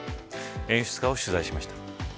演出家を取材しました。